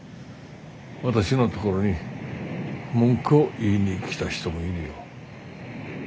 私の所に文句を言いに来た人もいるよ。